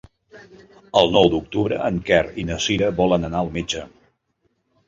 El nou d'octubre en Quer i na Cira volen anar al metge.